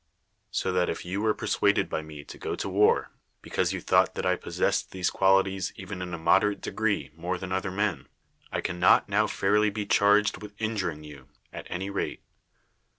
So that if you were persuaded by me to go to war, because you thought that I possessed these qualities even in a moderate degree more than other men, I can not now fairly be charged with injuring you, at any rate.